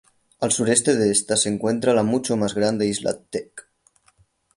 Al sureste de esta se encuentra la mucho más grande isla Dek.